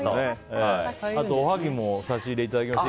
あと、おはぎも差し入れいただきました。